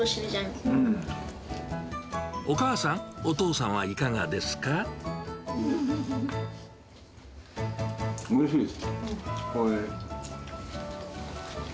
お母さん、お父さんはいかがおいしいです。